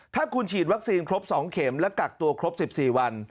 ถ้าคุณฉีดวัคซีนครบ๒เข็มและกักตัวครบ๑๔วัน